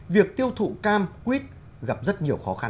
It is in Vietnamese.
việc tiêu thụ cam quýt gặp rất nhiều khó khăn